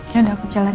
ya udah aku jalan ya